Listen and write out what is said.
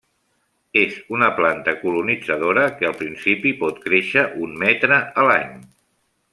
És una planta colonitzadora que al principi pot créixer un metre a l'any.